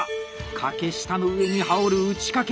掛下の上に羽織る打掛。